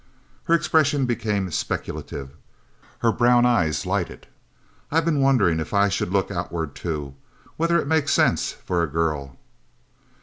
Her expression became speculative. Her brown eyes lighted. "I've been wondering if I should look Outward, too. Whether it makes sense for a girl."